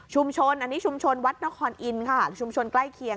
ชุมชนวัตถ์นครอินค่ะชุมชนใกล้เคียง